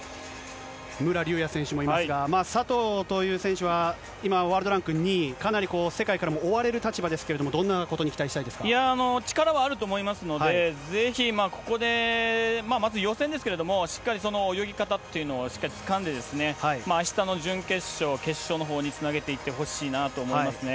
武良竜也選手もいますが、佐藤という選手は今、ワールドランク２位、かなり世界からも追われる立場ですけれども、どんなことに期力はあると思いますので、ぜひここでまず予選ですけれども、しっかり泳ぎ方というのをしっかりつかんで、あしたの準決勝、決勝のほうにつなげていってほしいなと思います